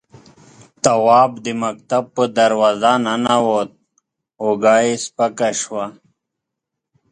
تواب د مکتب په دروازه ننوت، اوږه يې سپکه شوه.